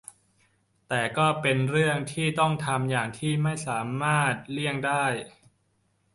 แต่ก็เป็นเรื่องที่ต้องทำอย่างที่ไม่สามารถเลี่ยงได้